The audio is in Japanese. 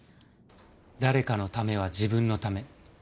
誰かのためは自分のため。